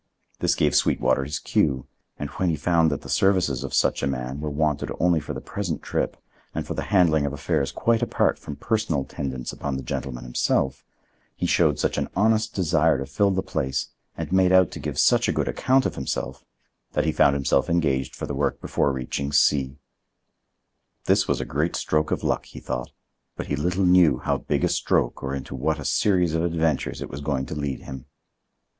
This gave Sweetwater his cue, and when he found that the services of such a man were wanted only during the present trip and for the handling of affairs quite apart from personal tendance upon the gentleman himself, he showed such an honest desire to fill the place, and made out to give such a good account of himself, that he found himself engaged for the work before reaching C—. This was a great stroke of luck, he thought, but he little knew how big a stroke or into what a series of adventures it was going to lead him.